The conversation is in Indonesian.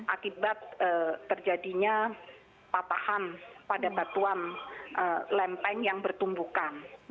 akibat terjadinya patahan pada batuan lempeng yang bertumbukan